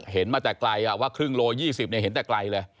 เห็นมาแต่ไกลอ่ะว่าครึ่งโลยี่สิบเนี่ยเห็นแต่ไกลเลย